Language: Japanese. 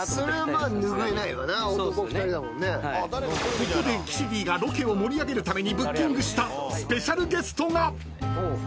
［ここで岸Ｄがロケを盛り上げるためにブッキングしたスペシャルゲストが！］